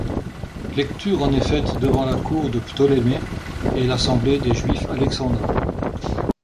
Lecture en est faite devant la cour de Ptolémée et l'assemblée des Juifs alexandrins.